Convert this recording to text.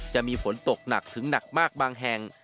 จะมีฝนตกหนักถึงหนักมากบางแห่ง